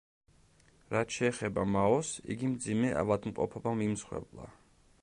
რაც შეეხება მაოს, იგი მძიმე ავადმყოფობამ იმსხვერპლა.